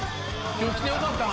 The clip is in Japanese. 今日来てよかったな。